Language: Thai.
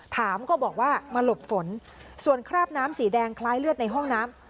ถามก็บอกว่ามาหลบฝนส่วนคราบน้ำสีแดงคล้ายเลือดในห้องน้ำ